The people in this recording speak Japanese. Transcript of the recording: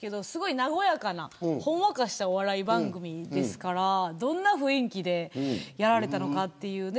すごい和やかな、ほんわかしたお笑い番組ですからどんな雰囲気でやられたのかという。